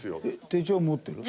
手帳持ってる？